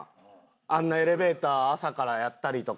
あんなエレベーター朝からやったりとか。